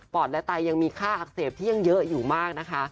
อดและไตยังมีค่าอักเสบที่ยังเยอะอยู่มากนะคะ